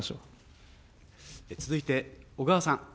続いて小川さん。